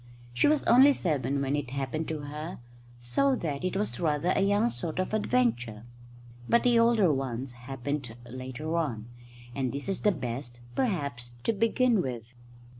She was only seven when it happened to her, so that it was rather a young sort of adventure; but the older ones happened later on, and this is the best, perhaps, to begin with.